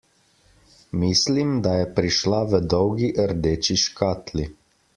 Mislim, da je prišla v dolgi rdeči škatli.